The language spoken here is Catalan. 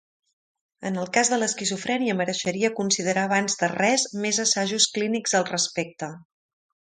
En el cas de l'esquizofrènia mereixeria considerar abans de res, més assajos clínics al respecte.